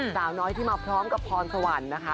สาวน้อยที่มาพร้อมกับพรสวรรค์นะคะ